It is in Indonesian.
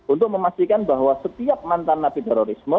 untuk memastikan bahwa setiap mantan napi terorisme